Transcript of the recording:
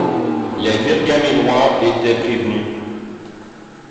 Les Virgamenois étaient prévenus.